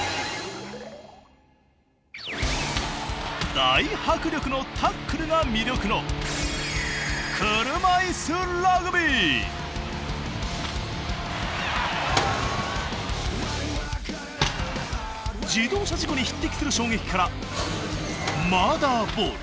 大迫力のタックルが魅力の自動車事故に匹敵する衝撃から「マーダーボール」